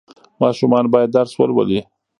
ماشومان باید درس ولولي.